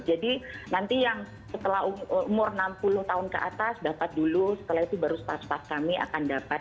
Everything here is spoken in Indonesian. jadi nanti yang setelah umur enam puluh tahun ke atas dapat dulu setelah itu baru pas pas kami akan dapat